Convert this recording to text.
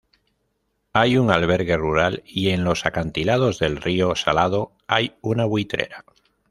Hay un albergue rural y en los acantilados del río Salado hay una buitrera.